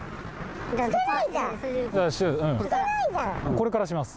これからします。